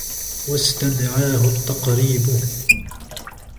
وَاسْتَدْعَاهُ التَّقْرِيبُ